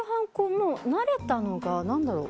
もう慣れたのが何だろう。